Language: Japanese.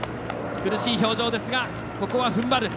苦しい表情ですがここはふんばる。